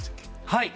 はい。